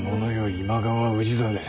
今川氏真。